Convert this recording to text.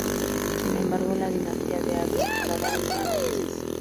Sin embargo, la dinastía de Avís entraba en una crisis.